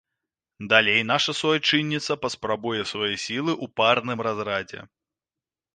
Далей наша суайчынніца паспрабуе свае сілы ў парным разрадзе.